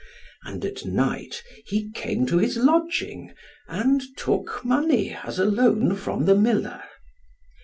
And at night he came to his lodging, and took money as a loan from the miller.